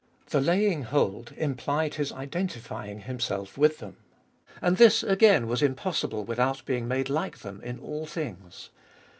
The laying hold implied His identifying Himself with them, and this again was impossible without being made like them in all things.